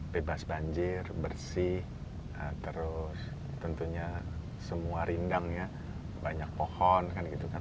bebas banjir bersih terus tentunya semua rindang ya banyak pohon kan gitu kan